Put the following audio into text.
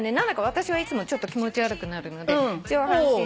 私はいつもちょっと気持ち悪くなるので上半身